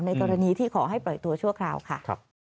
กรณีที่ขอให้ปล่อยตัวชั่วคราวค่ะ